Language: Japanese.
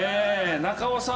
中尾さん